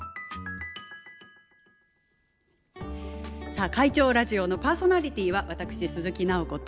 さあ「会長ラジオ」のパーソナリティーは私鈴木奈穂子と。